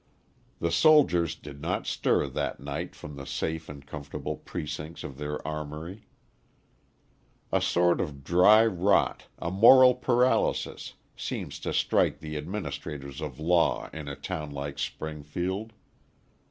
The soldiers did not stir that night from the safe and comfortable precincts of their armoury. A sort of dry rot, a moral paralysis, seems to strike the administrators of law in a town like Springfield.